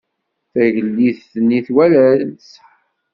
Tagellidt-nni twalam-tt?